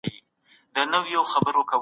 خپل پام په کار باندې وساتئ.